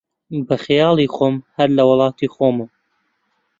بە خەیاڵی خۆم، هەر لە وڵاتی خۆمم